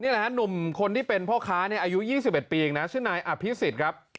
นี่แหละนุ่มคนที่เป็นพ่อค้าอายุ๒๑ปีชื่อนายอภิษฎิ์ครับ